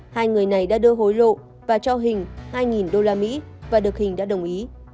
hai người này đã đưa hối lộ và cho hình hai usd và được hình đã đồng ý